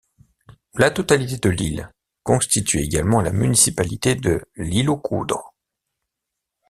La totalité de l'île constitue également la municipalité de L'Isle-aux-Coudres.